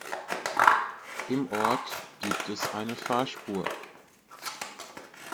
Im Ort gibt es eine Fahrspur.